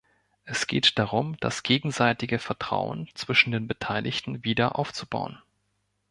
Es geht darum, das gegenseitige Vertrauen zwischen den Beteiligten wieder aufzubauen.